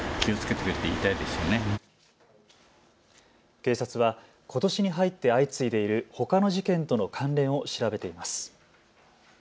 警察は、ことしに入って相次いでいるほかの事件との関連を調べています。